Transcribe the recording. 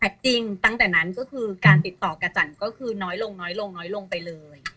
หายจริงตั้งแต่นั้นก็คือการติดต่อกับจันตร์ก็คือน้อยลงไปเลย